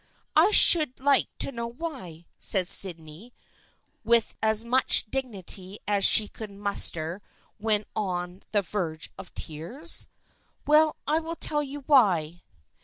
" I should like to know why," said Sydney, witi* 1U THE FBIENDSHIP OF ANNE as much dignity as she could muster when on the verge of tears. " Well, I will tell you why."